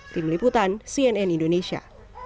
tim liputan cnn indonesia